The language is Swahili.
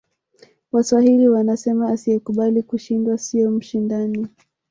waswahili wanasema asiyekubali kushindwa siyo mshindani